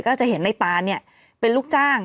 ก็จะเห็นในตานเป็นลูกจ้าง